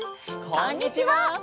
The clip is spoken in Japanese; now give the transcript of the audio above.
こんにちは！